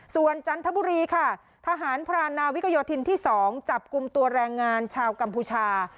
ส่วนจันทบุรีค่ะทหารพรานนาวิกโยธินที่๒จับกลุ่มตัวแรงงานชาวกัมพูชา